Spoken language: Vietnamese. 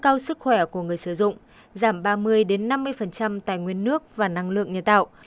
giảm nguy cơ sức khỏe của người sử dụng giảm ba mươi năm mươi tài nguyên nước và năng lượng nhân tạo